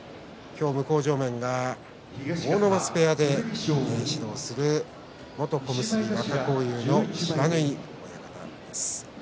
向正面が阿武松部屋で指導しています元小結若荒雄の不知火親方です。